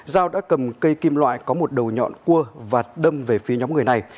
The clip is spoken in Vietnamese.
giao đã cầm cây kim loại có một đầu nhọn cua và đâm về phía nhóm người này